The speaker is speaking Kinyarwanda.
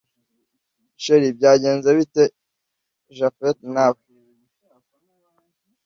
chr byagenze bite japhet nawe